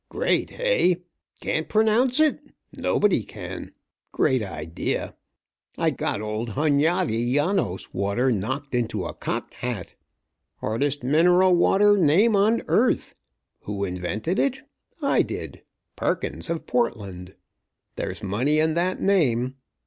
"Great, hey? Can't pronounce it? Nobody can. Great idea. Got old Hunyadi Janos water knocked into a cocked hat. Hardest mineral water name on earth. Who invented it? I did. Perkins of Portland. There's money in that name.